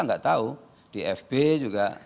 nggak tahu di fb juga